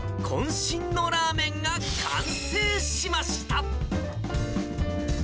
こん身のラーメンが完成しました。